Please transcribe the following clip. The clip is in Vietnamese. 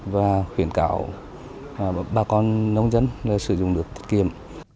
và khuyến cảo bà con nông dân sử dụng được tiết kiệm